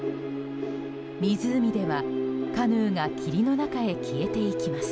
湖では、カヌーが霧の中へ消えていきます。